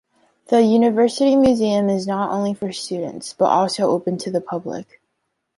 The University Museum is not only for students but also open to the public.